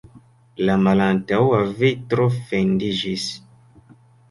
La malantaŭa vitro fendiĝis.